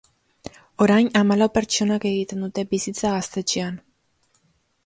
Orain hamalau pertsonak egiten dute bizitza gaztetxean.